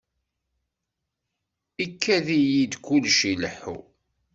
Ikad-iyi-d kullec ileḥḥu.